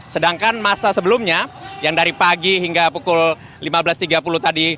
sedangkan masa sebelumnya yang dari pagi hingga pukul lima belas tiga puluh tadi